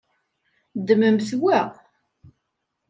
Ddmemt wa.